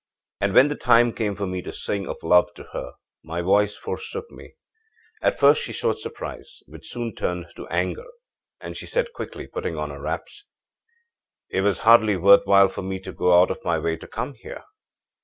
âAnd when the time came for me to sing of love to her, my voice forsook me. At first she showed surprise, which soon turned to anger; and she said, quickly putting on her wraps: â'It was hardly worth while for me to go out of my way to come here.'